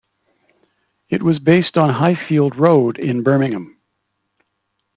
It was based on Highfield Road in Birmingham.